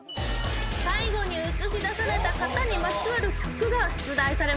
最後に映し出された方にまつわる曲が出題されます。